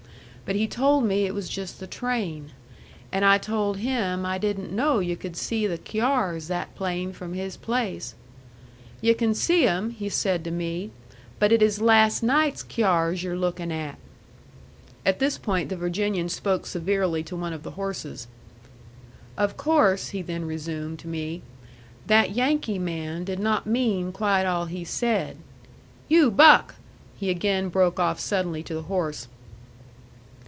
But he told me it was just the train. And I told him I didn't know yu' could see the cyars that plain from his place, 'Yu' can see them,' he said to me, 'but it is las' night's cyars you're lookin' at.'" At this point the Virginian spoke severely to one of the horses. "Of course," he then resumed to me, "that Yankee man did not mean quite all he said. You, Buck!" he again broke off suddenly to the horse.